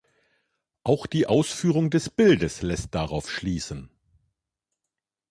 Auch die Ausführung des Bildes lässt darauf schließen.